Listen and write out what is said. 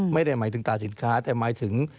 ไม่ได้หมายถึงตาสินค้าแต่หมายถึง